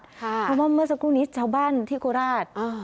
เพราะว่าเมื่อสักครู่นี้ชาวบ้านที่โคราช